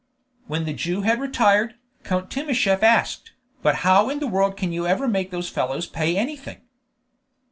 When the Jew had retired, Count Timascheff asked, "But how in the world can you ever make those fellows pay anything?"